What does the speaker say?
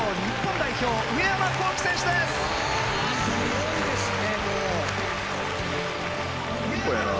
すごいですねもう。